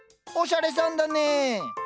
おしゃれさんだね。